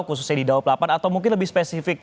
khususnya di daob delapan atau mungkin lebih spesifik